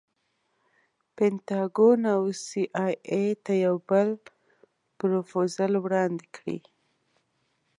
پنټاګون او سي ای اې ته یو بل پروفوزل وړاندې کړي.